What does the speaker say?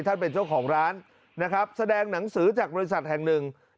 ท่านเป็นเจ้าของร้านแสดงหนังสือจากบริษัทแห่งหนึ่ง